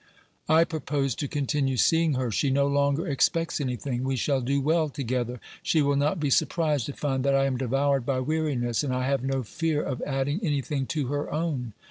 I propose to continue seeing her ; she no longer expects anything ; we shall do well together. She will not be surprised to find that I am devoured by weariness, and I have no fear of adding anything to her own.